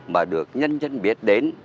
mà được nhân dân biết đến